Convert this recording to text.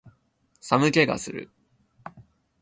寒気がする